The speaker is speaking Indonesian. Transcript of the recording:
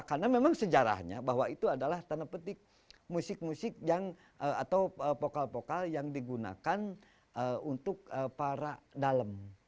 karena memang sejarahnya bahwa itu adalah tanah petik musik musik atau vokal vokal yang digunakan untuk para dalem